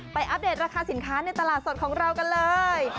อัปเดตราคาสินค้าในตลาดสดของเรากันเลย